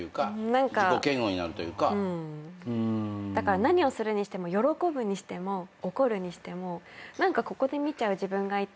だから何をするにしても喜ぶにしても怒るにしても何かここで見ちゃう自分がいて。